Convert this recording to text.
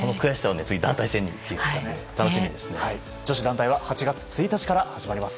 女子団体は８月１日から始まります。